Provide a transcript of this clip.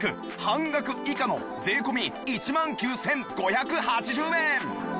半額以下の税込１万９５８０円